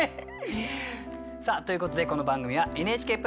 さあということでこの番組はＮＨＫプラスでもご覧頂けます。